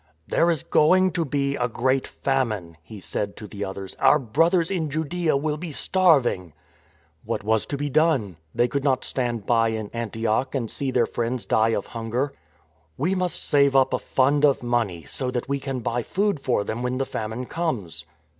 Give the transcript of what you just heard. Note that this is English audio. " There is going to be a great famine," he said to the others. " Our brothers in Judaea will be starving." What was to be done ? They could not stand by in Antioch and see their friends die of hunger. " We must save up a fund of money, so that we can buy food for them when the famine comes."